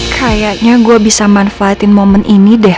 kayaknya gue bisa manfaatin momen ini deh